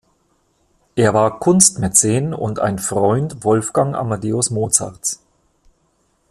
Er war Kunstmäzen und ein Freund Wolfgang Amadeus Mozarts.